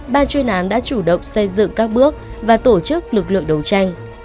ban chuyên án đã chủ động xây dựng các bước và tổ chức lực lượng đấu tranh